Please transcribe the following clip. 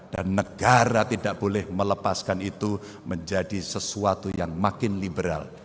dan negara tidak boleh melepaskan itu menjadi sesuatu yang makin liberal